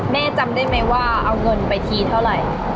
แม่จำได้ไหมว่าเอาเงินไปทีเท่าไหร่